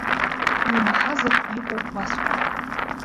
Иумаҳазар, иҟоу уасҳәап.